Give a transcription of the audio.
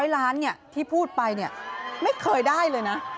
๐ล้านที่พูดไปไม่เคยได้เลยนะ